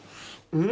うん？